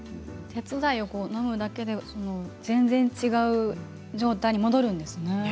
鉄剤をのむだけで全然違う状態に戻るんですね。